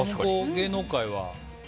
芸能界は。